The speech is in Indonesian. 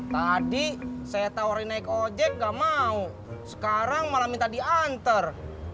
tadi saya tawarin naik ojek nggak mau sekarang malah minta diantar